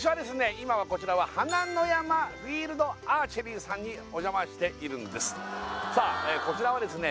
今はこちらは花のやまフィールドアーチェリーさんにお邪魔しているんですさあこちらはですね